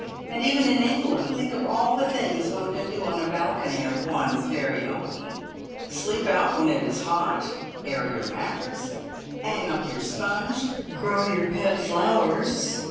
And even in England think of all the things one can do on a balcony of one's very own. Sleep out when it is hot. Air your mattress. Hang up your sponge. Grow your pet flowers.